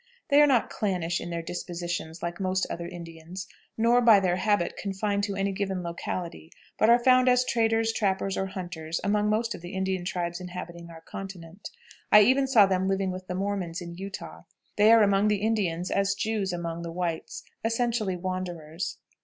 They are not clannish in their dispositions like most other Indians, nor by their habits confined to any given locality, but are found as traders, trappers, or hunters among most of the Indian tribes inhabiting our continent. I even saw them living with the Mormons in Utah. They are among the Indians as the Jews among the whites, essentially wanderers.